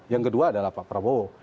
yang kedua adalah pak prabowo